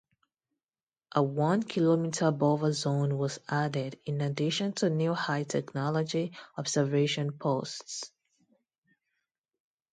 A one-kilometer buffer zone was added, in addition to new high technology observation posts.